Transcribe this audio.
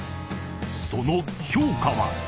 ［その評価は？］